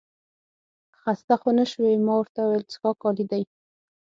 خسته خو نه شوې؟ ما ورته وویل څښاک عالي دی.